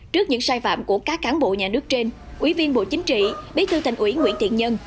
trước những sai phạm của các cán bộ nhà nước trên ủy viên bộ chính trị bí thư thành ủy nguyễn thiện nhân